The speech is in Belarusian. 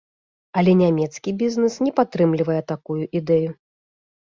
Але нямецкі бізнес не падтрымлівае такую ідэю.